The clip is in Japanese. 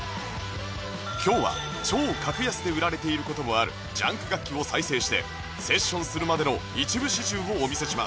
今日は超格安で売られている事もあるジャンク楽器を再生してセッションするまでの一部始終をお見せします